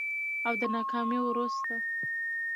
او د ناکامي وروسته